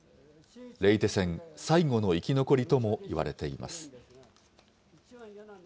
レイテ戦最後の生き残りともいわれています。